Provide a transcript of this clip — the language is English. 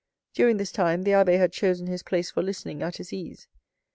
During this time the abbé had chosen his place for listening at his ease.